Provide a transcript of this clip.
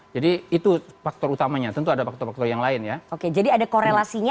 dua puluh dua dua puluh tiga jadi itu faktor utamanya tentu ada faktor faktor yang lain ya oke jadi ada korelasinya